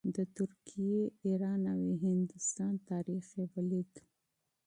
د ترکیې، ایران او هندوستان تاریخ یې ولید.